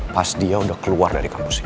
pas dia udah keluar dari kampus ini